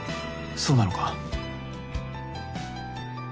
そうなのか？